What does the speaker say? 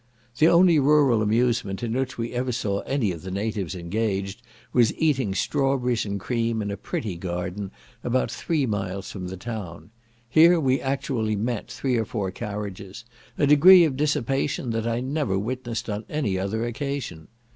The only rural amusement in which we ever saw any of the natives engaged was eating strawberries and cream in a pretty garden about three miles from the town; here we actually met three or four carriages; a degree of dissipation that I never witnessed on any other occasion.